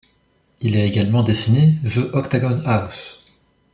Il a également dessiné The Octagon House.